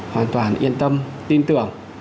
hoàn toàn yên tâm tin tưởng